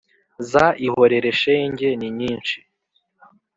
Za “ihorere shenge” ni nyinshi